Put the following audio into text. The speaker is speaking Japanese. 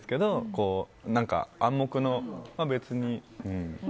こう、何か暗黙の別に。